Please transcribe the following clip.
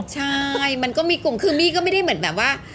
ใช่มันก็มีกลุ่มคือมี่ก็ไม่ได้เหมือนแบบว่า